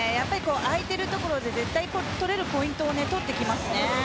空いている所で絶対取れるポイントを取ってきますね。